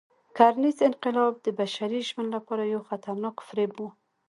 کرنيز انقلاب د بشري ژوند لپاره یو خطرناک فریب و.